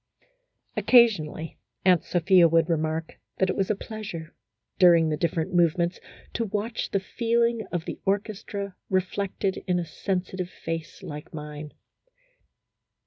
Occasionally Aunt Sophia would remark that it was a pleasure, during the different move ments, to watch the feeling of the orchestra reflected in a sensitive face like mine.